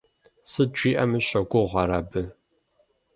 Сыт жиӏэми щогугъ ар абы.